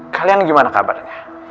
kalian gimana kabarnya